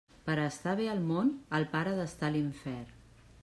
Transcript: Per a estar bé al món, el pare ha d'estar a l'infern.